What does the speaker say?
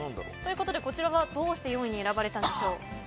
こちらはどうして４位に選ばれたんでしょう。